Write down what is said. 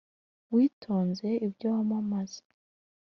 witoze ibyo wamamaza